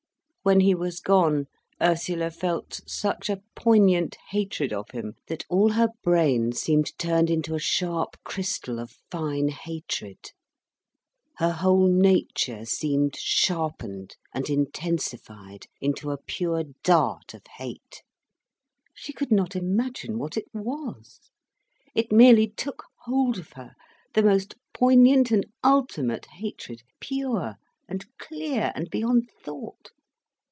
When he was gone Ursula felt such a poignant hatred of him, that all her brain seemed turned into a sharp crystal of fine hatred. Her whole nature seemed sharpened and intensified into a pure dart of hate. She could not imagine what it was. It merely took hold of her, the most poignant and ultimate hatred, pure and clear and beyond thought.